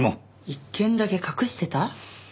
１件だけ隠してた？